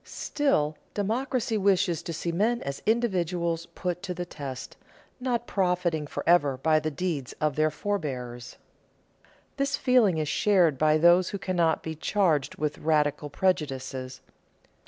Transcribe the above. Still, democracy wishes to see men as individuals put to the test, not profiting forever by the deeds of their forebears. This feeling is shared by those who cannot be charged with radical prejudices.